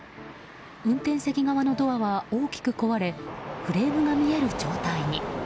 運転席側のドアは大きく壊れフレームが見える状態に。